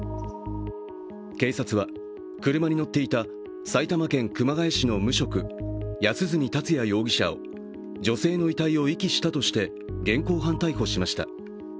警察は、車に乗っていた埼玉県熊谷市の無職、安栖達也容疑者を女性の遺体を遺棄したとして現行犯逮捕しました。